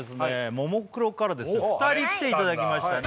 ももクロからですね２人来ていただきましたね